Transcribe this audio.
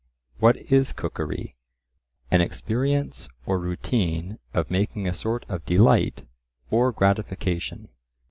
"What is cookery?" An experience or routine of making a sort of delight or gratification.